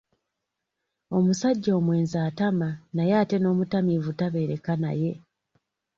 Omusajja omwenzi atama naye ate n’omutamiivu tabeereka naye.